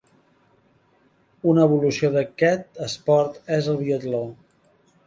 Una evolució d'aquest esport és el biatló.